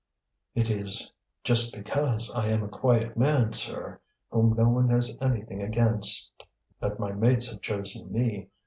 "It is just because I am a quiet man, sir, whom no one has anything against, that my mates have chosen me.